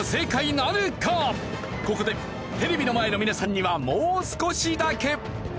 ここでテレビの前の皆さんにはもう少しだけ。